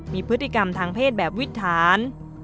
มีพฤติกรรมทางเพศแบบวิทธาน